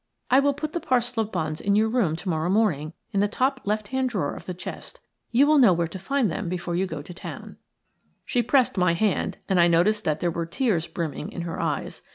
I will put the parcel of bonds in your room to morrow morning, in the top left hand drawer of the chest. You will know where to find them before you go to town." She pressed my hand, and I noticed that there were tears brimming in her eyes.